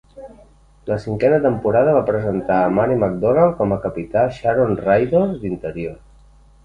La cinquena temporada va presentar a Mary McDonnell com a capità Sharon Raydor d'Interior